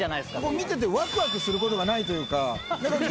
見ててワクワクすることがないというか。